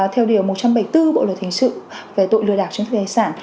theo điều một trăm bảy mươi bốn bộ lời thỉnh sự về tội lừa đảo chứng thực đài sản